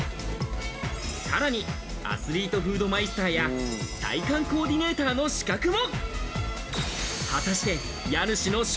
さらにアスリートフードマイスターや体幹コーディネーターの資格も。